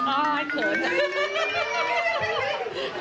อ้าวเขิน